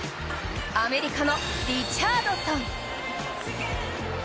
アメリカのリチャードソン。